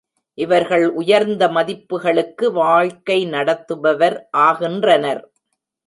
இவர்கள் உயர்ந்த மதிப்புகளுக்கு வாழ்க்கை நடத்துபவர் ஆகின்றனர்.